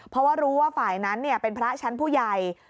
เพราะว่ารู้ว่าฝ่ายนั้นเป็นพระชั้นผู้ใหญ่